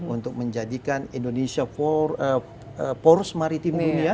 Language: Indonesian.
untuk menjadikan indonesia poros maritim dunia